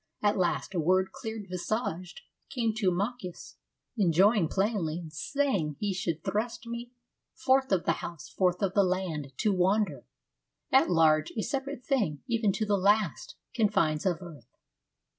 At last A word clear visaged came to Machus Enjoining plainly and saying he should thrust me Forth of the house, forth of the land, to wander At large, a separate thing even to the last Confines of earth.